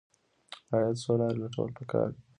د عاید څو لارې لټول پکار دي.